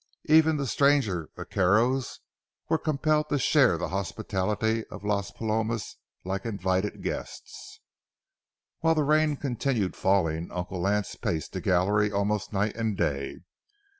Even the stranger vaqueros were compelled to share the hospitality of Las Palomas like invited guests. While the rain continued falling, Uncle Lance paced the gallery almost night and day.